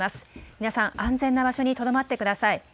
皆さん、安全な場所にとどまってください。